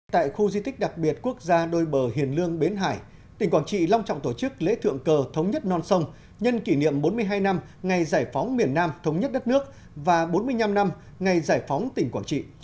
tại khu di tích đặc biệt quốc gia đôi bờ hiền lương bến hải tỉnh quảng trị long trọng tổ chức lễ thượng cờ thống nhất non sông nhân kỷ niệm bốn mươi hai năm ngày giải phóng miền nam thống nhất đất nước và bốn mươi năm năm ngày giải phóng tỉnh quảng trị